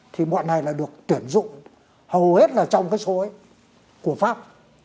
thì bọn này là được tuyển dụng hầu hết là trong cái số ấy của pháp